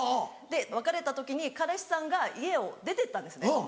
で別れた時に彼氏さんが家を出てったんですね。